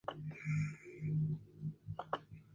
Es originario de Asia Menor.